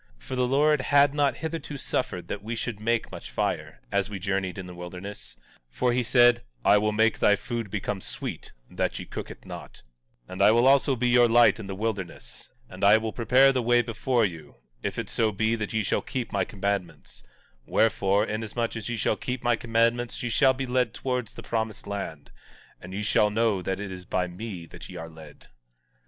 17:12 For the Lord had not hitherto suffered that we should make much fire, as we journeyed in the wilderness; for he said: I will make thy food become sweet, that ye cook it not; 17:13 And I will also be your light in the wilderness; and I will prepare the way before you, if it so be that ye shall keep my commandments; wherefore, inasmuch as ye shall keep my commandments ye shall be led towards the promised land; and ye shall know that it is by me that ye are led.